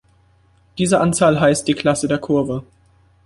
Diese Anzahl heißt die Klasse der Kurve.